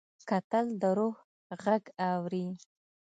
کتل د روح غږ اوري